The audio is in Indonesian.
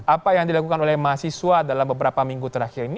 apa yang dilakukan oleh mahasiswa dalam beberapa minggu terakhir ini